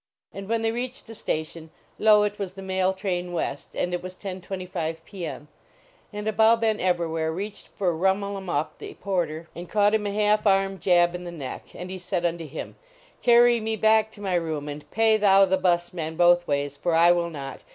And when they reached the station, lo, it was the mail train west, and it was 10 : 25 i>. M . And Abou Ben Evrawhair reached for Rhumul em Uhp the Porter and caught him a half arm jab in the neck, and he said unto him : Carry me back to my room and pay thou the bus man both ways, for I will not.